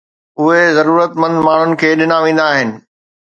اهي ضرورتمند ماڻهن کي ڏنا ويندا آهن